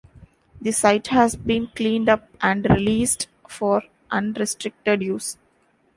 The site has been cleaned up and released for unrestricted use.